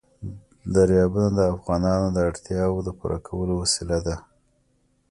دریابونه د افغانانو د اړتیاوو د پوره کولو وسیله ده.